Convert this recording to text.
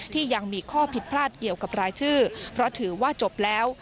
ที่ยังมีข้อผิดพลาดเกี่ยวกับรายชื่อเพราะถือว่าจบแล้ว